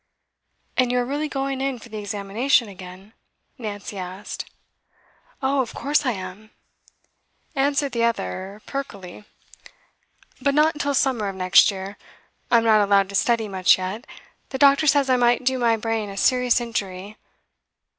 'And you are really going in for the examination again?' Nancy asked. 'Oh, of course I am!' answered the other perkily; 'but not till summer of next year. I'm not allowed to study much yet; the doctor says I might do my brain a serious injury.